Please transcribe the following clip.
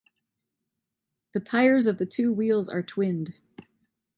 The tires of the two wheels are twinned.